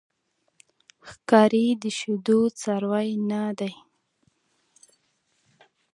ښکاري د شیدو څاروی نه دی.